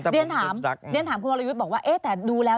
เดียนถามคุณวรยุทธ์บอกว่าเอ๊ะแต่ดูแล้ว